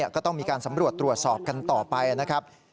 ก็ต้องมีการสำรวจตรวจสอบกันต่อไปนะครับ